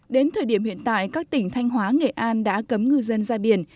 đến thời điểm hiện tại các tỉnh thanh hóa nghệ an đã cấm ngư dân ra biển